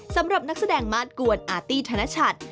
สำหรับนักแสดงมาสกวนอาร์ตี้ธนชัด